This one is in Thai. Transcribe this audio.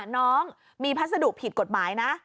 น้องมีพัสดุผิดกฎหมายนะ